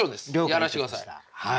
やらして下さい。